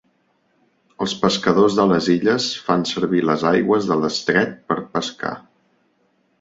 Els pescadors de les illes fan servir les aigües de l'estret per pescar.